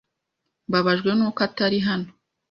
Mbabajwe nuko atari hano.